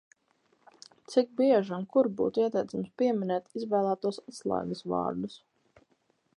Cik bieži un kur būtu ieteicams pieminēt izvēlētos atslēgas vārdus?